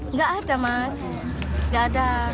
nggak ada mas nggak ada